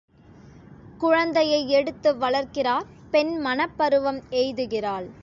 குழந்தையை எடுத்து வளர்க்கிறார் பெண் மணப்பருவம் எய்துகிறாள்.